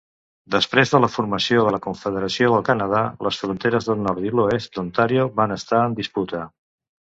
Després de la formació de la Confederació del Canadà, les fronteres del nord i l'oest d'Ontàrio van estar en disputa.